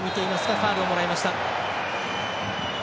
ファウルをもらいました。